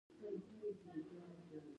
انرژي کولی شي ذخیره شي.